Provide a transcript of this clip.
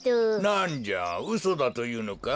なんじゃうそだというのか？